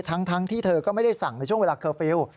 ทั้งที่เธอก็ไม่ได้สั่งในช่วงเวลาเคอร์ฟิลล์